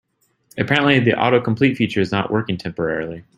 Apparently, the autocomplete feature is not working temporarily.